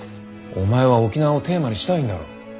お前は沖縄をテーマにしたいんだろ？